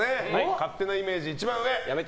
勝手なイメージ、一番上。